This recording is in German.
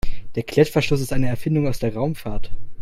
Der Klettverschluss ist eine Erfindung aus der Raumfahrt.